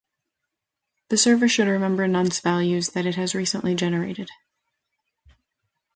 The server should remember nonce values that it has recently generated.